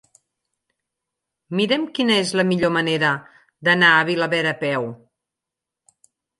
Mira'm quina és la millor manera d'anar a Vilaverd a peu.